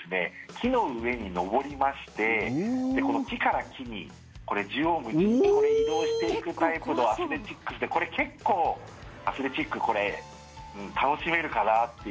木の上に上りまして木から木に縦横無尽に移動していくタイプのアスレチックでこれ結構、アスレチック楽しめるかなっていう。